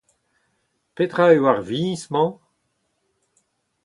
Petra eo ar viñs-mañ ?